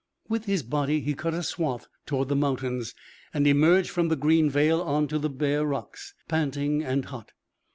With his body he cut a swath toward the mountains and emerged from the green veil on to the bare rocks, panting and hot.